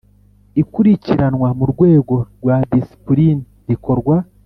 Ikurikiranwa mu rwego rwa disipulini rikorwa